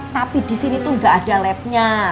tapi disini tuh gak ada labnya